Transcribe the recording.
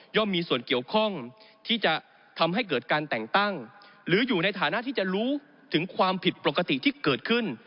มีส่วนเกี่ยวข้องที่จะทำให้เกิดการแต่งตั้งหรืออยู่ในฐานะที่จะรู้ถึงความผิดปกติที่เกิดขึ้น